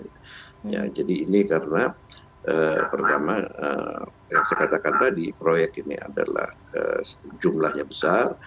ya jadi ini karena pertama yang saya katakan tadi proyek ini adalah jumlahnya besar